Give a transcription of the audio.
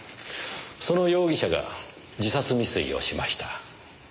その容疑者が自殺未遂をしました。